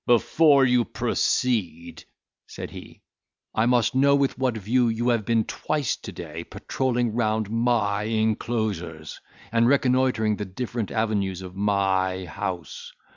"Before you proceed," said he, "I must know with what view you have been twice to day patroling round my enclosures, and reconnoitring the different avenues of my house.